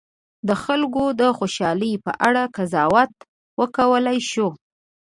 د خلکو د خوشالي په اړه قضاوت وکولای شو.